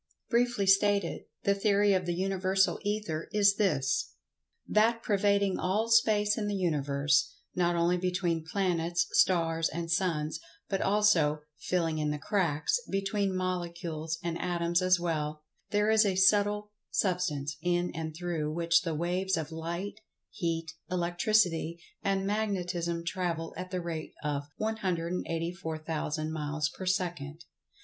Briefly stated, the theory of the Universal Ether is this: That pervading all Space in the Universe—not only between planets, stars and suns, but also "filling in the cracks" between molecules, and atoms as well—there is a subtle Substance in and through which the waves of Light, Heat,[Pg 100] Electricity and Magnetism travel at the rate of 184,000 miles per second.